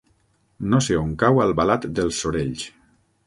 No sé on cau Albalat dels Sorells.